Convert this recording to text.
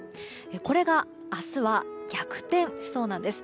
これが明日は逆転しそうなんです。